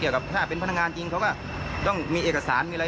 กับถ้าเป็นพนักงานจริงเขาก็ต้องมีเอกสารมีอะไร